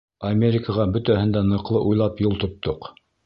Америкаға бөтәһен дә ныҡлы уйлап юл тоттоҡ.